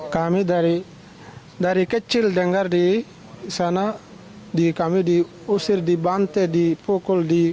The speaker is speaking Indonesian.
kami dari kecil dengar di sana kami diusir dibante dipukul